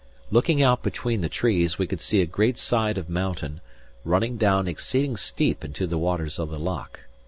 Looking out between the trees, we could see a great side of mountain, running down exceeding steep into the waters of the loch.